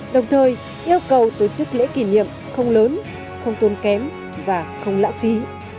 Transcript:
đồng thời yêu cầu tổ chức lễ kỷ niệm không lớn không tốn kém và không lãng phí